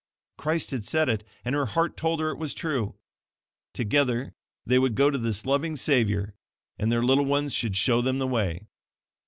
Christ had said it, and her heart told her it was true. Together they would go to this loving Savior, and their little ones should show them the way.